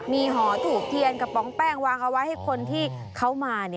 มีหอถูกเทียนกระป๋องแป้งวางเอาไว้ให้คนที่เขามา